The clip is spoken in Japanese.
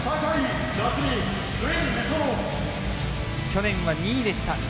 去年は２位でした。